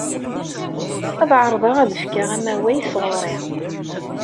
Ad ɛerḍeɣ ad d-fkeɣ amaway sɣur-i.